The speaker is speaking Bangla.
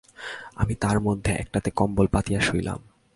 আমি তার মধ্যে একটাতে কম্বল পাতিয়া শুইলাম।